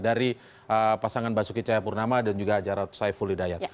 dari pasangan basuki chayapurnama dan juga ajarat saiful hidayat